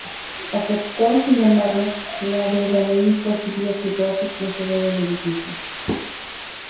Aceptó, sin embargo, la de Domenico Egidio Rossi, a quien se debe el edificio.